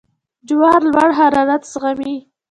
جوار لوړ حرارت زغمي.